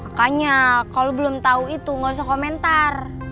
makanya kalo belum tau itu gausah komentar